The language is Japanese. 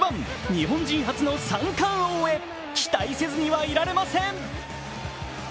日本人初の三冠王へ期待せずにはいられません。